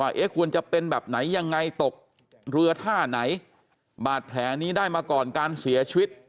เอ๊ะควรจะเป็นแบบไหนยังไงตกเรือท่าไหนบาดแผลนี้ได้มาก่อนการเสียชีวิต